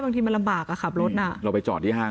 บางทีมันลำบากอ่ะขับรถน่ะเราไปจอดที่ห้าง